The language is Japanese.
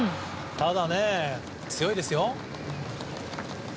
ただ、強いですよ。